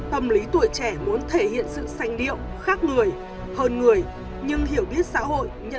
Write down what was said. tâm lý tuổi trẻ muốn thể hiện sự sanh điệu khác người hơn người nhưng hiểu biết xã hội nhận thức chưa đầy đủ chưa chính chắn